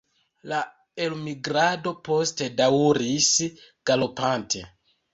La elmigrado poste daŭris galopante.